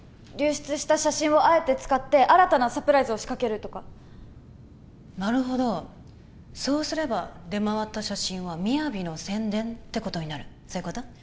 流出した写真をあえて使って新たなサプライズを仕掛けるとかなるほどそうすれば出回った写真は「ＭＩＹＡＶＩ」の宣伝ってことになるそういうこと？